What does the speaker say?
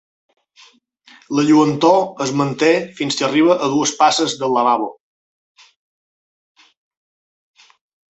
La lluentor es manté fins que arriba a dues passes del lavabo.